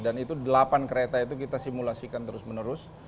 dan itu delapan kereta itu kita simulasikan terus menerus